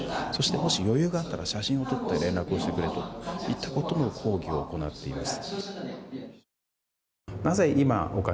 もし余裕があったら写真を撮って連絡をしてくれとそういったことの講義も行っています。